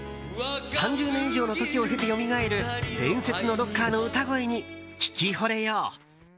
３０年以上の時を経てよみがえる伝説のロッカーの歌声に聴きほれよう！